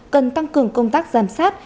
cần tăng cường công tác giam sát